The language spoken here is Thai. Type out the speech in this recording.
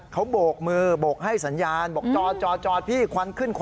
เขาโบกมือโบกให้สัญญาณบอกจอดพี่ควันขึ้นคอ